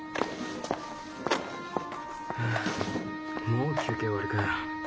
もう休憩終わりかよ。